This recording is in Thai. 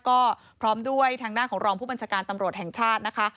ก็พร้อมด้วยทางด้านของรองผู้บัญชาการตำรวจแห่งชาตินะคะ